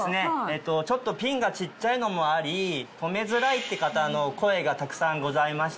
ちょっとピンが小っちゃいのもあり留めづらいって方の声がたくさんございました。